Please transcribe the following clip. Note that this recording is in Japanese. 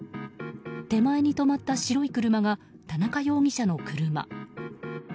手前に止まった白い車が田中容疑者の車。